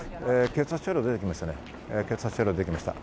警察車両、出てきました。